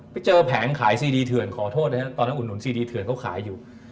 ไปเจอแผงขายซีดีเถื่อนขอโทษนะครับตอนนั้นอุดหนุนซีรีเถื่อนเขาขายอยู่